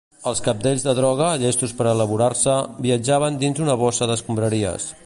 Els cabdells de droga, llestos per elaborar-se, viatjaven dins una bossa d'escombraries.